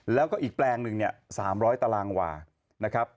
แล้วก็อีกแปลงหนึ่งเนี่ย๓๐๐ตารางวานะครับ